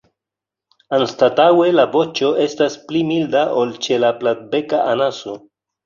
Anstataŭe la voĉo estas pli milda ol ĉe la Platbeka anaso.